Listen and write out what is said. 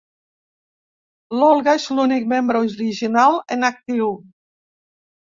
L'Olga és l'únic membre original en actiu.